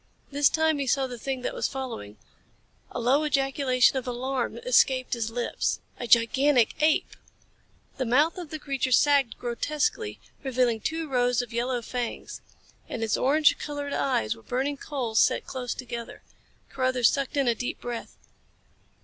This time he saw the thing that was following. A low ejaculation of alarm escaped his lips. A gigantic ape! The mouth of the creature sagged grotesquely, revealing two rows of yellow fangs. And its orange colored eyes were burning coals set close together. Carruthers sucked in a deep breath.